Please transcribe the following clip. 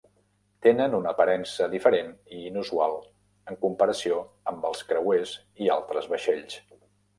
Tenen una aparença diferent i inusual en comparació amb els creuers i altres vaixells.